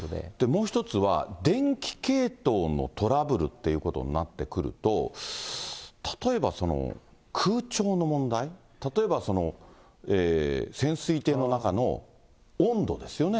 もう１つは、電気系統のトラブルっていうことになってくると、例えば空調の問題、例えば潜水艇の中の温度ですよね。